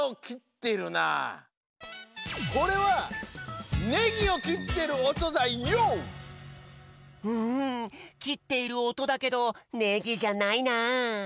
これはんきっているおとだけどネギじゃないなあ。